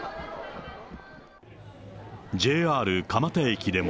ＪＲ蒲田駅でも。